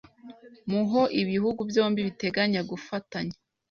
mu ho ibihugu byombi biteganya gufatanya